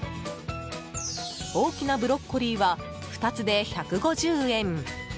大きなブロッコリーは２つで１５０円。